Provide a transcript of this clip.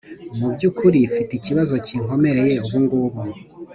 mubyukuri mfite ikibazo kinkomereye ubungubu